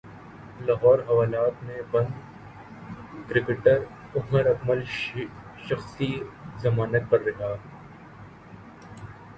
لاہور حوالات مں بند کرکٹر عمر اکمل شخصی ضمانت پر رہا